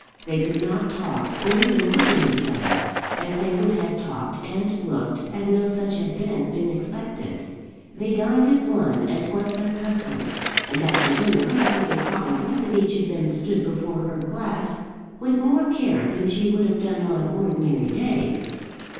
They could not talk, or even look at each other, as they would have talked and looked had no such advent been expected. They dined at one, as was their custom, and after dinner I think it probable that each of them stood before her glass with more care than she would have done on ordinary days.